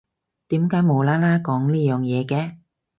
點解無啦啦講呢樣嘢嘅？